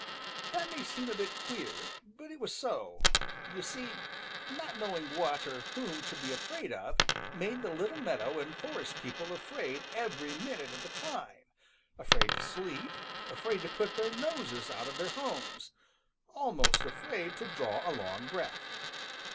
That may seem a bit queer, but it was so. You see, not knowing what or whom to be afraid of made the little meadow and forest people afraid every minute of the time, afraid to sleep, afraid to put their noses out of their homes, almost afraid to draw a long breath.